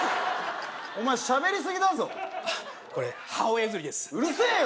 お前喋りすぎだぞこれ母親譲りですうるせえよ！